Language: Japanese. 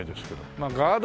まあガード